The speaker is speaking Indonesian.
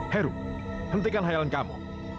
heru hentikan khayalan kamu